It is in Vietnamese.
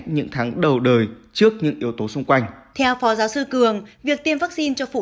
những tháng đầu đời trước những yếu tố xung quanh theo phó giáo sư cường việc tiêm vaccine cho phụ